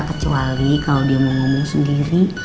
kecuali kalo dia ngomong sendiri